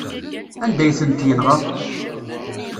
Anda ay tent-yenɣa?